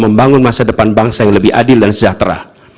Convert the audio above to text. membangun masa depan bangsa yang lebih adil dan sejahtera